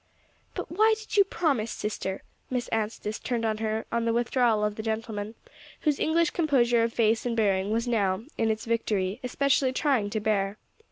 "But why did you promise, sister?" Miss Anstice turned on her on the withdrawal of the gentleman, whose English composure of face and bearing was now, in its victory, especially trying to bear.